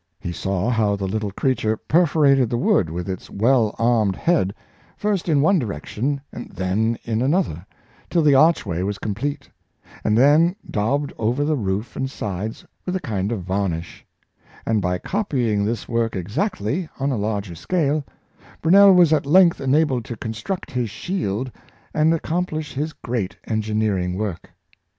He saw how the little crea ture perforated the wood with its well armed head, first in one direction and then in another, till the archway was complete, and then daubed over the roof and sides with a kind of varnish; and, by copying this work ex actly, on a large scale, Brunei was at length enabled to construct his shield and accomplish his great engineer ing work.